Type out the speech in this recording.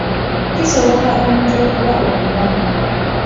Kisoboka omuntu okuba omulamu.